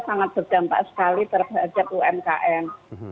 sangat berdampak sekali terhadap umkm